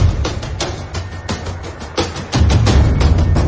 แล้วก็พอเล่ากับเขาก็คอยจับอย่างนี้ครับ